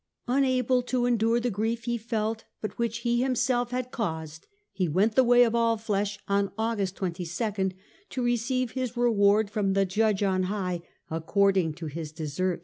" Unable to endure the grief he felt, but which he himself had caused, he went the way of all flesh on August 22nd, to receive his reward from the Judge on high, according to his deserts."